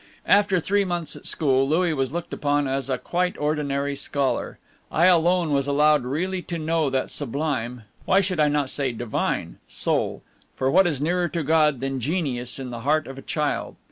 After three months at school, Louis was looked upon as a quite ordinary scholar. I alone was allowed really to know that sublime why should I not say divine? soul, for what is nearer to God than genius in the heart of a child?